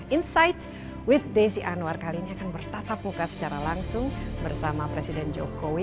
insight with desi anwar kali ini akan bertatap muka secara langsung bersama presiden jokowi